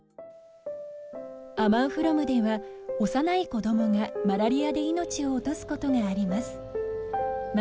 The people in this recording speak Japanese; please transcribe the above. アマンフロムでは幼い子どもがマラリアで命を落とすことがあります。